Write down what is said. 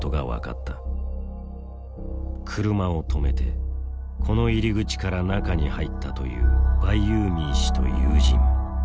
車を止めてこの入り口から中に入ったというバイユーミー氏と友人。